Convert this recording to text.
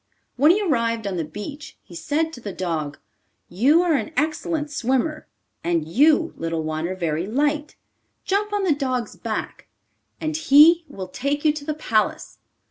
When he arrived on the beach, he said to the dog: 'You are an excellent swimmer, and you, little one, are very light; jump on the dog's back and he will take you to the palace.